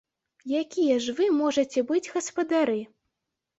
Якія ж вы можаце быць гаспадары?